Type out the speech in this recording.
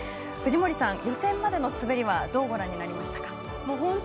藤森さん、予選までの滑りどうご覧になりましたか。